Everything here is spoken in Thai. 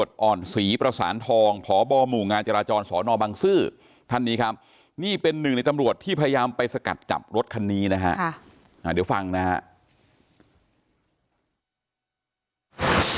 ใช่ครับเบียดชนเพื่อแบบให้ผมแบบหลุดออกไปจากตรงนั้น